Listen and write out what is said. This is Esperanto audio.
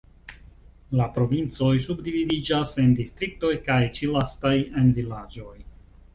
La provincoj subdividiĝas en distriktoj kaj ĉi lastaj en vilaĝoj.